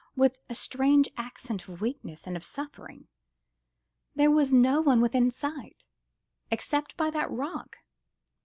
with a strange accent of weakness and of suffering. There was no one within sight ... except by that rock